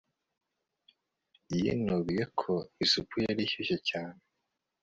Yinubiye ko isupu yari ishyushye cyane